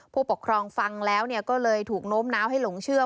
ผู้ปกครองฟังแล้วก็เลยถูกโน้มน้าวให้หลงเชื่อ